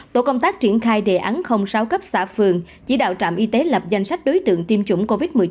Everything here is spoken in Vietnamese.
tổ công tác triển khai đề án sáu cấp xã phường chỉ đạo trạm y tế lập danh sách đối tượng tiêm chủng covid một mươi chín